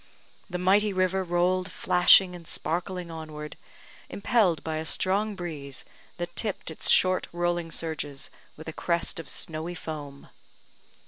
The mighty river rolled flashing and sparkling onward, impelled by a strong breeze, that tipped its short rolling surges with a crest of snowy foam.